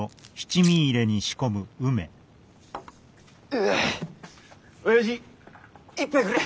ああおやじ１杯くれ。